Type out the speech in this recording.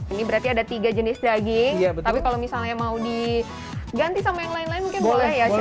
ini berarti ada tiga jenis daging tapi kalau misalnya mau diganti sama yang lain lain mungkin boleh ya chef